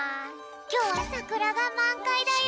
きょうはさくらがまんかいだよ！